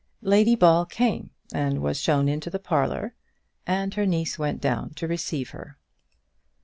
Lady Ball came and was shown into the parlour, and her niece went down to receive her.